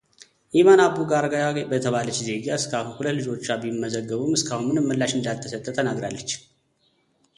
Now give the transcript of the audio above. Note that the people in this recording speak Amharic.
ኢማን አቡ ጋርጋ የተባለች ዜጋ እሷና ሁለት ልጆቿ ቢመዘገቡም እስካሁን ምንም ምላሽ እንዳልተሰጠ ተናግራለች።